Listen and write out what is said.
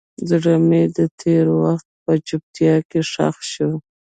زړه مې د تېر وخت په چوپتیا کې ښخ شو.